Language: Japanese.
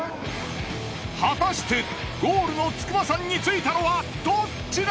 果たしてゴールの筑波山に着いたのはどっちだ！？